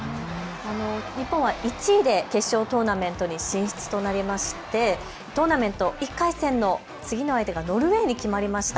日本は１位で決勝トーナメントに進出となりトーナメント１回戦の次の相手がノルウェーに決まりました。